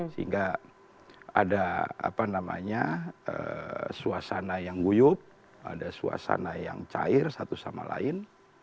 sehingga ada suasana yang guyup ada suasana yang cair satu sama lain